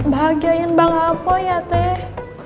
bahagiain bang apo ya teh